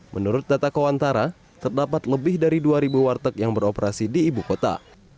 menurut data kowantara terdapat lebih dari dua warteg yang beroperasi di ibu kota